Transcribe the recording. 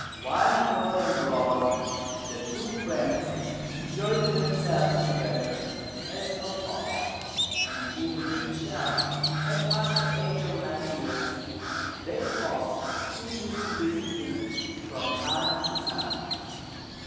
Wine was then brought, and the two friends enjoyed themselves together as of old; and even when Chia had passed the age of ninety years, that fox still used to visit him from time to time.